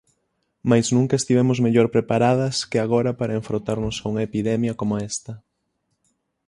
Mais nunca estivemos mellor preparadas que agora para enfrontarnos a unha epidemia coma esta.